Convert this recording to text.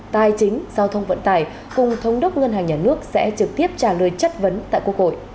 tài chính giao thông vận tải cùng thống đốc ngân hàng nhà nước sẽ trực tiếp trả lời chất vấn tại quốc hội